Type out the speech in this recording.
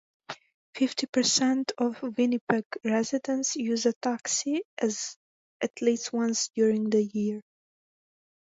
Fifty percent of Winnipeg residents use a taxi at least once during the year.